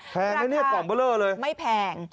แพงนะนี่ปลอมเบอร์เลอร์เลยราคาไม่แพง